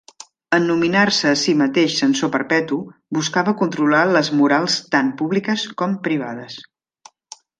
En nominar-se a si mateix censor perpetu, buscava controlar les morals tant públiques com privades.